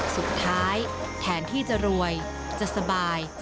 สุดท้ายแทนที่จะรวยจะสบาย